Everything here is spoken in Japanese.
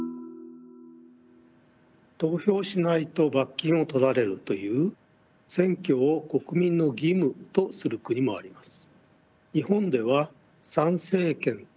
投票しないと罰金を取られるという選挙を国民の義務とする国もあります。